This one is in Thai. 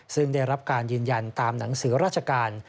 ซึ่งได้รับการยืนยันตามหนังสือราชการ